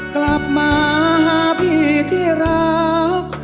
กลับมาหาพี่ที่รัก